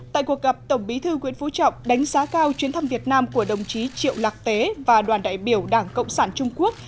tại cuộc gặp tổng bí thư nguyễn phú trọng đánh giá cao chuyến thăm việt nam của đồng chí triệu lạc tế và đoàn đại biểu đảng cộng sản trung quốc